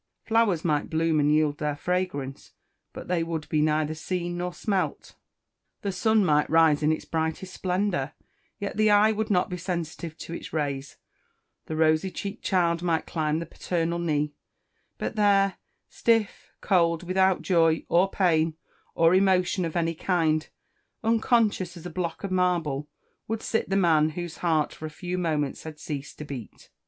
Flowers might bloom, and yield their fragrance, but they would be neither seen nor smelt; the sun might rise in its brightest splendour, yet the eye would not be sensitive to its rays; the rosy cheeked child might climb the paternal knee; but there, stiff, cold, without joy, or pain, or emotion of any kind, unconscious as a block of marble, would sit the man whose heart for a few moments had ceased to beat.